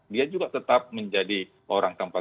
dia juga tetap menjadi orang tempat